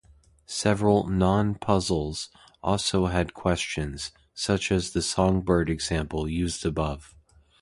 Several "non-puzzles" also had questions, such as the songbird example used above.